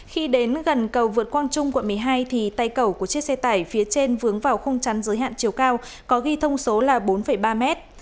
khi đến gần cầu vượt quang trung quận một mươi hai thì tay cầu của chiếc xe tải phía trên vướng vào khung chắn giới hạn chiều cao có ghi thông số là bốn ba mét